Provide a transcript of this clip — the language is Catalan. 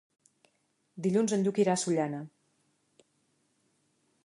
Dilluns en Lluc irà a Sollana.